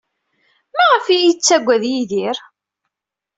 Maɣef ay iyi-yettaggad Yidir?